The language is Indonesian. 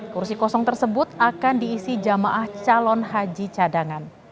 kursi kosong tersebut akan diisi jamaah calon haji cadangan